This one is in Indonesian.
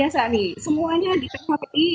sali semuanya di ppi